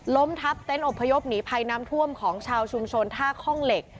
ล้มทับเต็นต์อบพยพหนีภัยน้ำท่วมของชาวชุมชนท่าคล่องเหล็ก